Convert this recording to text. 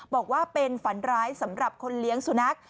บอกว่าเป็นฝันร้ายสำหรับคนเลี้ยงสุนัข